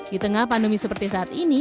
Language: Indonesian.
di tengah pandemi seperti saat ini